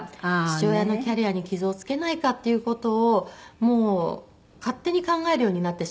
父親のキャリアに傷をつけないかっていう事をもう勝手に考えるようになってしまっていて。